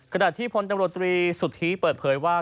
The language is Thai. ขณะที่พลตำรวจตรีสุทธิเปิดเผยว่า